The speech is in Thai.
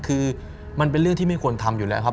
คือมันเป็นเรื่องที่ไม่ควรทำอยู่แล้วครับ